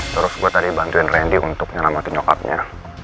terus gue tadi bantuin rendy untuk nyelamatkan nyokapnya